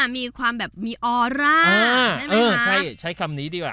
มีความแบบมีออร่าใช่ไหมเออใช่ใช้คำนี้ดีกว่า